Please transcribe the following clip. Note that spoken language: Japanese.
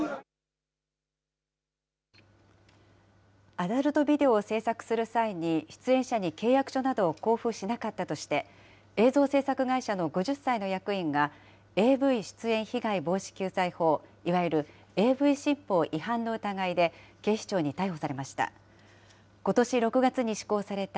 アダルトビデオを制作する際に、出演者に契約書などを交付しなかったとして、映像制作会社の５０歳の役員が、ＡＶ出演被害防止・救済法、いわゆるＡＶ新法違反の疑いで、警視庁に逮捕されました。